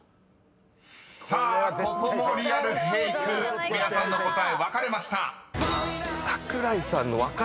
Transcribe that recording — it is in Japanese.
［さあここもリアルフェイク皆さんの答え分かれました］